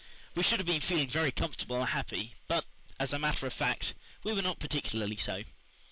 We should have been feeling very comfortable and happy, but, as a matter of fact, we were not particularly so.